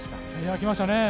きましたね。